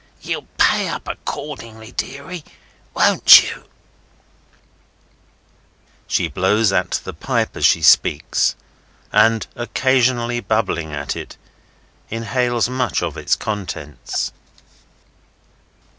Ye'll pay up accordingly, deary, won't ye?" She blows at the pipe as she speaks, and, occasionally bubbling at it, inhales much of its contents.